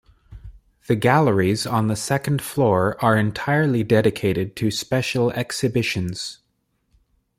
The galleries on the second floor are entirely dedicated to special exhibitions.